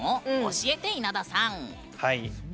教えて、稲田さん。